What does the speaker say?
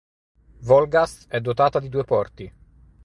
Wolgast è dotata di due porti.